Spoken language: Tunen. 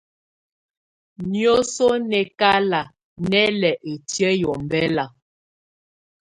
Niǝ́suǝ́ nɛ́kalá nɛ́ lɛ ǝ́tiǝ́ yɛ́ ɔmbɛla.